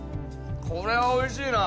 これはおいしいな！